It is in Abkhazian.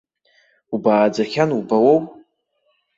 Убааӡахьан убауоу!